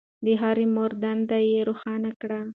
د هر مامور دندې يې روښانه کړې.